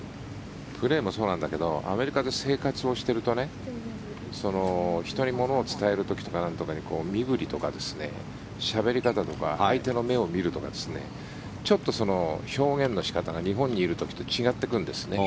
プレーもそうなんだけどアメリカで生活をしていると人にものを伝える時とかなんとかに身振りとかしゃべり方とか相手の目を見るとかちょっと表現の仕方が日本にいる時と違ってくるんですね。